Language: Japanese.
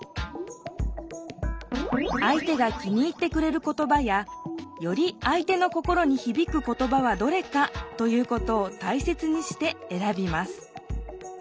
あい手が気に入ってくれる言葉やよりあい手の心にひびく言葉はどれかということをたいせつにして選びます